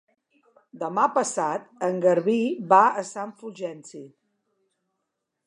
Demà passat en Garbí va a Sant Fulgenci.